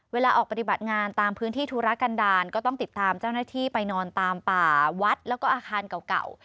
เวลาออกปฏิบัติงานตามพื้นที่ธุรกันดาลก็ต้องติดตามเจ้าหน้าที่ไปนอนตามป่าวัดแล้วก็อาคารเก่า